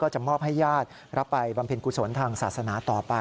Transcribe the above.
ใช่ค่ะ